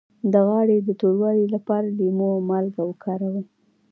د غاړې د توروالي لپاره لیمو او مالګه وکاروئ